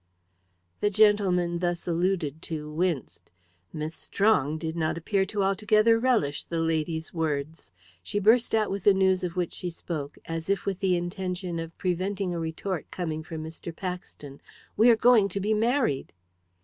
The gentleman thus alluded to winced. Miss Strong did not appear to altogether relish the lady's words. She burst out with the news of which she spoke, as if with the intention of preventing a retort coming from Mr. Paxton. "We are going to be married."